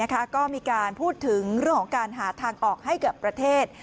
ก็มีการพูดถึงเรื่องของการหาทางออกให้กับประเทศ